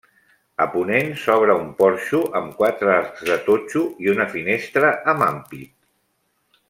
A ponent s'obre un porxo amb quatre arcs de totxo i una finestra amb ampit.